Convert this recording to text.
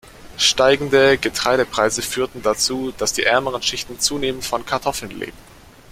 Steigende Getreidepreise führten dazu, dass die ärmeren Schichten zunehmend von Kartoffeln lebten.